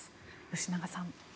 吉永さん。